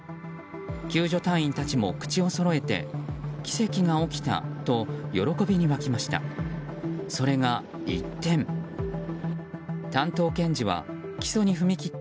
救助隊員たちも口をそろえて奇跡が起きたと喜びに沸きました。